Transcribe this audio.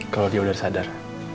kalo dia udah sadar